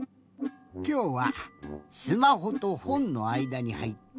きょうはスマホとほんのあいだにはいってみました。